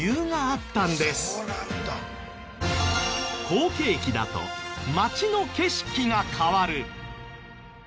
好景気だと街の景色が変わる。